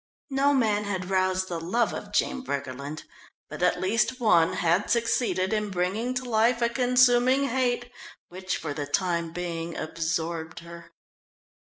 No man had roused the love of Jean Briggerland, but at least one had succeeded in bringing to life a consuming hate which, for the time being, absorbed her.